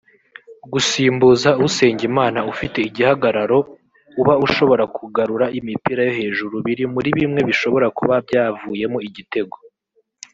Gusimbuza Usengimana ufite igihagararo uba ushobora kugarura imipira yo hejuru biri muri bimwe mu bishobora kuba byavuyemo igitego